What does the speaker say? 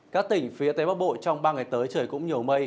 các tỉnh phía tây bắc bộ trong ba ngày tới trời cũng nhiều mây